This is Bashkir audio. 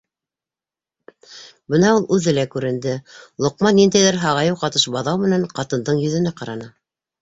Бына ул үҙе лә күренде, Лоҡман ниндәйҙер һағайыу ҡатыш баҙау менән ҡатындың йөҙөнә ҡараны: